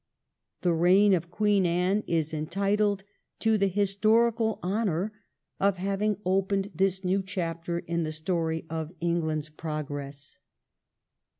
The reign of Queen Anne is entitled to the historical honour of having opened this new chapter in the story of England's pro gress.